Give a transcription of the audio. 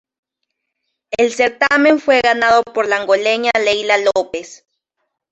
El certamen fue ganado por la angoleña Leila Lopes.